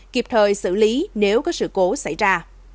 kịp thời xử lý nếu có sự cố xảy ra